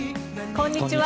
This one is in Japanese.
こんにちは。